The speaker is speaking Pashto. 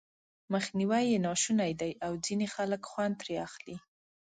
مخنيوی یې ناشونی دی او ځينې خلک خوند ترې اخلي.